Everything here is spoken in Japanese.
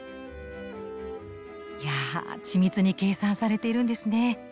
いやあ緻密に計算されているんですね。